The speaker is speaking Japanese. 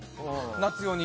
夏用に。